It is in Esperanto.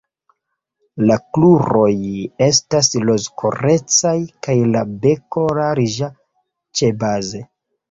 La kruroj estas rozkolorecaj kaj la beko larĝa ĉebaze.